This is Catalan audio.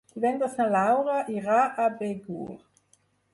Divendres na Laura irà a Begur.